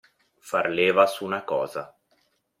Far leva su una cosa.